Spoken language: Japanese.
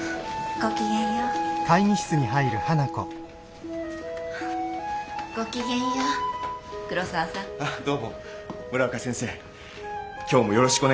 「ごきげんよう。